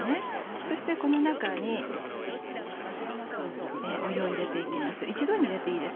そしてこの中に湯を入れていきます